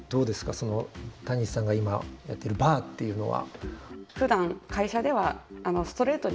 そのたにしさんが今やってるバーっていうのは。